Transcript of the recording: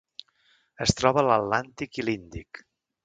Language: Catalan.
Es troba a l'Atlàntic i l'Índic.